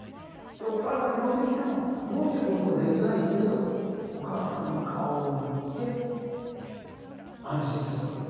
お母さん呼んできてもどうということはできないけどお母さんの顔を見て安心するわけですよ。